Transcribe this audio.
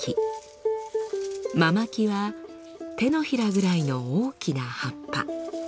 ママキは手のひらぐらいの大きな葉っぱ。